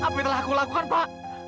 apa yang telah aku lakukan pak